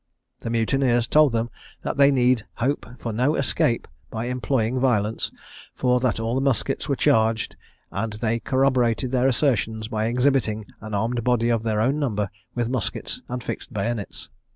The mutineers told them that they need hope for no escape by employing violence, for that all the muskets were charged; and they corroborated their assertions by exhibiting an armed body of their own number with muskets and fixed bayonets.